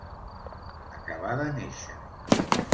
Acabar de néixer.